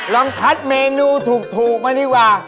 ลองคัดเมนูถูกมาดีกว่า